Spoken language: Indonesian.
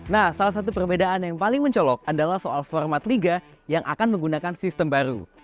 nah salah satu perbedaan yang paling mencolok adalah soal format liga yang akan menggunakan sistem baru